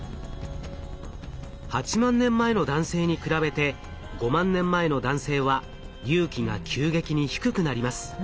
８万年前の男性に比べて５万年前の男性は隆起が急激に低くなります。